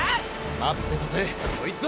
待ってたぜこいつを！